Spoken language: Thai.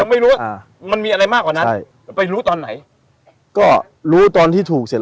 ไม่รู้ว่ามันมีอะไรมากกว่านั้นใช่ไปรู้ตอนไหนก็รู้ตอนที่ถูกเสร็จ